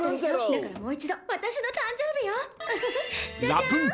だからもう一度私の誕生日よウフフ」